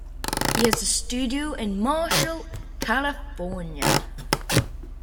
He has a studio in Marshall, California.